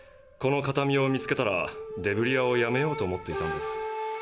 この形見を見つけたらデブリ屋をやめようと思っていたんです。